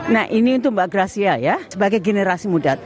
nah ini untuk mbak gracia ya sebagai generasi muda